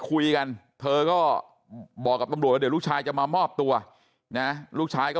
คุยกันเธอก็บอกกับตำรวจว่าเดี๋ยวลูกชายจะมามอบตัวนะลูกชายก็